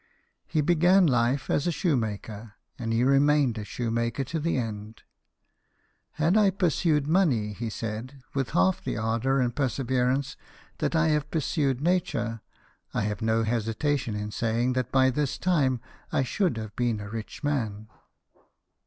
He began life as a shoemaker, and he remained a shoemaker to the end. " Had I pursued money," he said, " with half the ardour and per severance that I have pursued nature, I have no hesitation in saying that by this time I should have been a rich man."